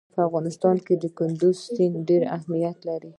په افغانستان کې کندز سیند ډېر اهمیت لري.